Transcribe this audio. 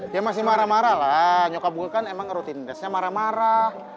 dia masih marah marahlah nyokap gue kan emang rutin dasnya marah marah